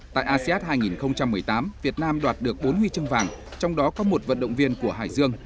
tại asean hai nghìn một mươi tám việt nam đoạt được bốn huy chương vàng trong đó có một vận động viên của hải dương